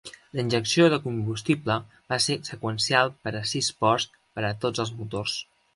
La injecció de combustible va ser seqüencial per a sis ports per a tots els motors.